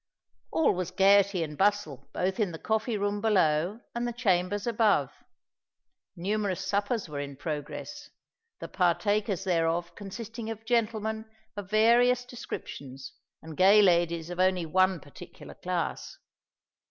All was gaiety and bustle both in the coffee room below and the chambers above. Numerous suppers were in progress, the partakers thereof consisting of gentlemen of various descriptions and gay ladies of only one particular class.